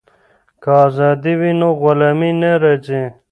که ازادي وي نو غلامي نه راځي.